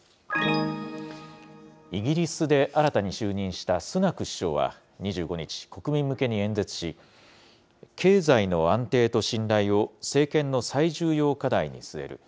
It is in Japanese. イギリスで新たに就任したスナク首相は２５日、国民向けに演説し、経済の安定と信頼を政権の最重要課題に据える。